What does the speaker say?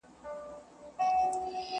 زه غښتلی یم له مځکي تر اسمانه !.